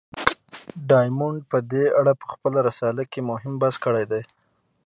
ډایمونډ په دې اړه په خپله رساله کې مهم بحث کړی دی.